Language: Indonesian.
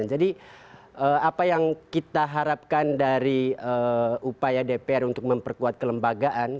jadi apa yang kita harapkan dari upaya dpr untuk memperkuat kelembagaan